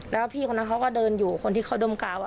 แล้วพี่คนนั้นเขาก็เดินอยู่คนที่เขาดมกาว